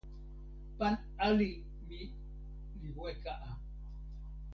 pan ali mi li weka a!